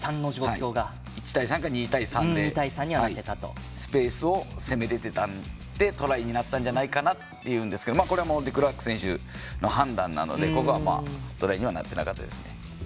１対２か、１対３でスペースを攻められてたんでトライになってたんじゃないかなというんですがデクラーク選手の判断なのでトライにはなってなかったですね。